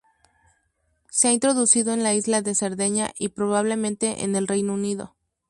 Se ha introducido en la isla de Cerdeña y probablemente en el Reino Unido.